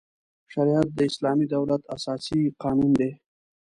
شریعت د اسلامي دولت اساسي قانون دی.